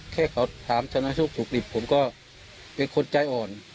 แค่เขาถามชนะสุขดิบผมก็เป็นคนใจอ่อน